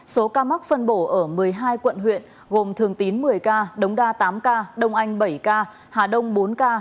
số ca mắc phân bổ ở một mươi hai quận huyện gồm thường tín một mươi ca đống đa tám ca đông anh bảy ca hà đông bốn ca